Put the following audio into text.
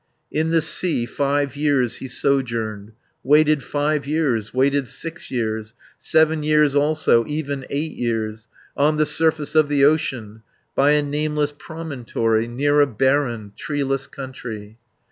In the sea five years he sojourned, Waited five years, waited six years, 330 Seven years also, even eight years, On the surface of the ocean, By a nameless promontory, Near a barren, treeless country.